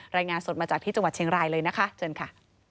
รายงานสดมาจากที่จังหวัดเชียงรายเลยนะคะเชิญค่ะ